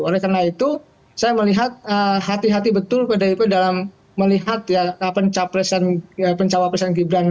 oleh karena itu saya melihat hati hati betul pdip dalam melihat pencawa presiden gibran